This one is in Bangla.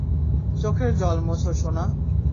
চোখের জল মোছ, সোনা।